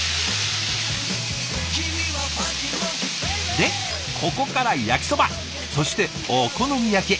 でここから焼きそばそしてお好み焼き。